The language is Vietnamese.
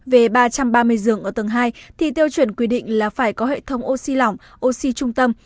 về ba trăm ba mươi giường ở tầng hai thì tiêu chuẩn quy định là phải có hệ thống oxy lỏng oxy trung tâm